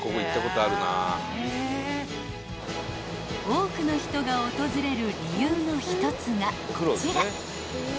［多くの人が訪れる理由の一つがこちら］